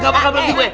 gak bakal pergi gue